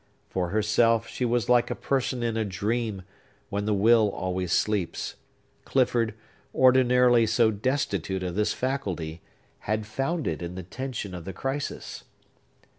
For herself, she was like a person in a dream, when the will always sleeps. Clifford, ordinarily so destitute of this faculty, had found it in the tension of the crisis.